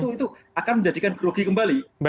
itu akan menjadikan grogi kembali